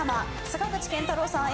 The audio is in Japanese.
坂口健太郎さん